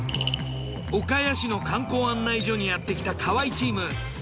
岡谷市の観光案内所にやってきた河合チーム。